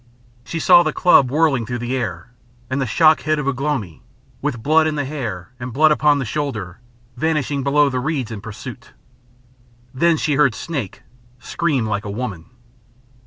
She saw the club whirling through the air, and the shock head of Ugh lomi, with blood in the hair and blood upon the shoulder, vanishing below the reeds in pursuit. Then she heard Snake scream like a woman.